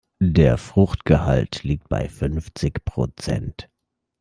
Der Fruchtgehalt liegt bei fünfzig Prozent.